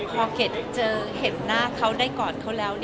พอเกดเจอเห็นหน้าเขาได้กอดเขาแล้ว